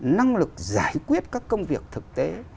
năng lực giải quyết các công việc thực tế